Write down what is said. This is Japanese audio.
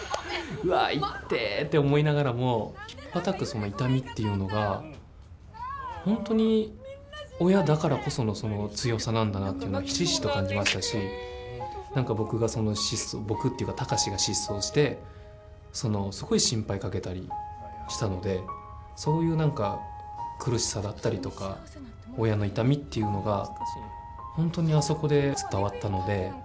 うわいってえ！って思いながらもたたくその痛みっていうのが本当に親だからこその強さなんだなっていうのがひしひしと感じましたし何か貴司が失踪してすごい心配かけたりしたのでそういう何か苦しさだったりとか親の痛みっていうのが本当にあそこで伝わったので。